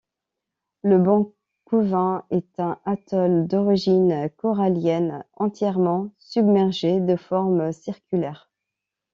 Le banc Cauvin est un atoll d'origine corallienne entièrement submergé, de forme circulaire.